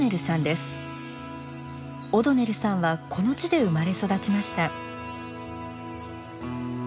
オドネルさんはこの地で生まれ育ちました。